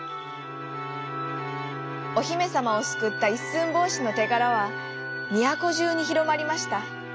おひめさまをすくったいっすんぼうしのてがらはみやこじゅうにひろまりました。